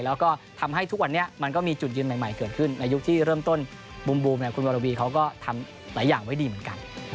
แล้วก็ทำให้ทุกวันนี้มันก็มีจุดยืนใหม่เกิดขึ้นในยุคที่เริ่มต้นบูมคุณวรวีเขาก็ทำหลายอย่างไว้ดีเหมือนกัน